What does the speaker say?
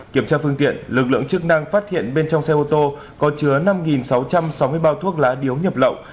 kiểm tra phương tiện lực lượng chức năng phát hiện bên trong xe ô tô có chứa năm sáu trăm sáu mươi bao thuốc lá điếu nhập lậu